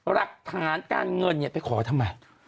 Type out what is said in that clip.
หลักฐานการเงินเนี่ยไปขอทำไม